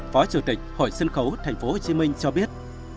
phó chủ tịch hội sân khấu tp hcm cho biết